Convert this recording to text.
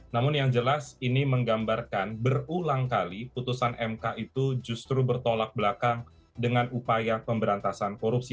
namun yang jelas ini menggambarkan berulang kali putusan mk itu justru bertolak belakang dengan upaya pemberantasan korupsi